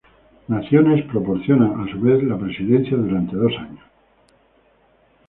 Naciones proporcionan, a su vez, la presidencia durante dos años.